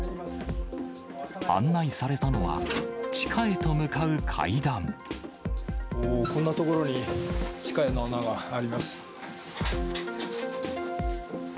案内されたのは、おー、こんな所に地下への穴があります。